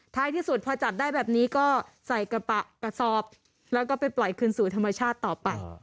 ที่สุดพอจับได้แบบนี้ก็ใส่กระสอบแล้วก็ไปปล่อยคืนสู่ธรรมชาติต่อไป